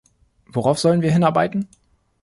Worauf sollen wir hinarbeiten?